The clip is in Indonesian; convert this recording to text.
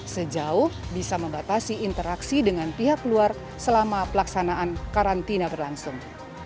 sejauh bisa membatasi interaksi dengan pihak luar selama pelaksanaan karantina berlangsung